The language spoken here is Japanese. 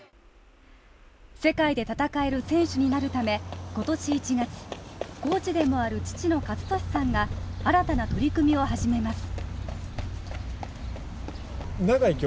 世界で戦える選手になるため今年１月コーチでもある、父の健智さんが新たな取り組みを始めます。